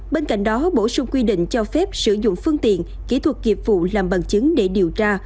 bên cạnh đó bổ sung quy định cho phép sử dụng phương tiện kỹ thuật nghiệp vụ làm bằng chứng để điều tra